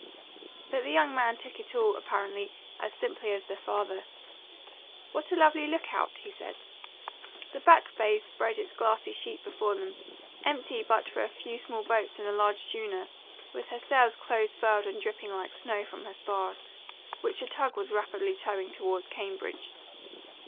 But the young man took it all, apparently, as simply as their father. "What a lovely lookout!" he said. The Back Bay spread its glassy sheet before them, empty but for a few small boats and a large schooner, with her sails close furled and dripping like snow from her spars, which a tug was rapidly towing toward Cambridge.